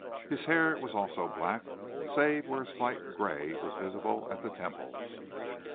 His hair was also black, save where a slight gray was visible at the temples.